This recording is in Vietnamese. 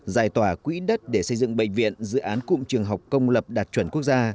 giải tỏa quỹ đất để xây dựng bệnh viện dự án cụm trường học công lập đạt chuẩn quốc gia